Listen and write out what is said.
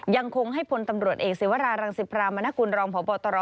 ยังคงให้พลตำรวจเอกศิวรารังสิพรามนกุลรองพบตร